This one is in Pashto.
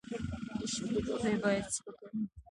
د شپې ډوډۍ باید سپکه وي